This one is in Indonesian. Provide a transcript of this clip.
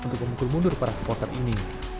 untuk memukul mundur para supporter ini